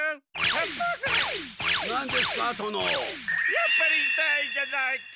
やっぱりいたいじゃないか！